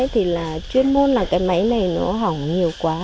thì là chuyên môn là cái máy này nó hỏng nhiều quá